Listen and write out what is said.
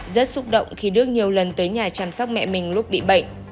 rất xúc động khi đức nhiều lần tới nhà chăm sóc mẹ mình lúc bị bệnh